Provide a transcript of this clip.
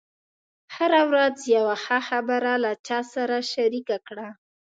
هره ورځ یوه ښه خبره له چا سره شریکه کړه.